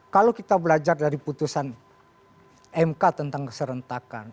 kalau kita belajar dari putusan mk tentang keserentakan